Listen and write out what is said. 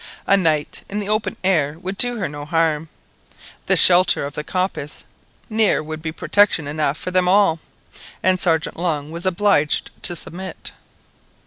A night in the open air would do her no harm; the shelter of the coppice near would be protection enough for them all; and Sergeant Long was obliged to submit.